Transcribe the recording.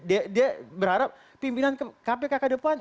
dia berharap pimpinan kpk ke depan